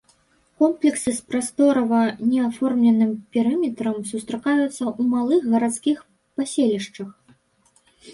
Комплексы з прасторава не аформленым перыметрам сустракаюцца ў малых гарадскіх паселішчах.